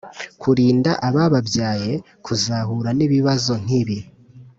kurinda aba babyaye kuzahura n'ibibazo nk'ibi